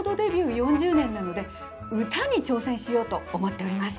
４０年なので歌に挑戦しようと思っております。